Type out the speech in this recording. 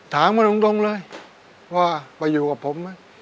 ถามมาตรงเลยว่าไปอยู่กับผมไหม